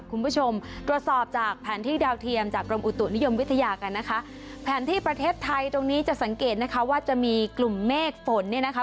คุณผู้ชมตรวจสอบจากแผนที่ดาวเทียมจากกรมอุตุนิยมวิทยากันนะคะแผนที่ประเทศไทยตรงนี้จะสังเกตนะคะว่าจะมีกลุ่มเมฆฝนเนี่ยนะคะ